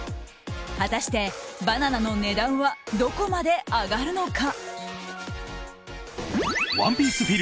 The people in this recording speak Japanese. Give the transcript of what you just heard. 果たして、バナナの値段はどこまで上がるのか。